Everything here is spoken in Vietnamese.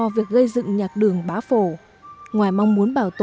với tất cả sự đam mê